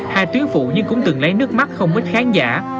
hai tuyến phụ nhưng cũng từng lấy nước mắt không ít khán giả